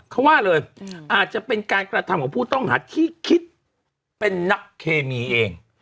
เขาว่าเลยอาจจะเป็นการกระทำของผู้ต้องหาที่คิดเป็นนักเคมีเอง